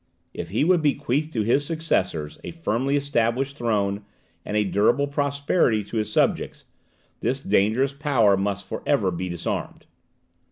If he would bequeath to his successors a firmly established throne, and a durable prosperity to his subjects, this dangerous power must be for ever disarmed.